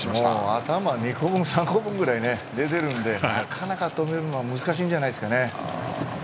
頭２本、３本分くらい出てるのでなかなか、止めるのは難しいんじゃないですかね。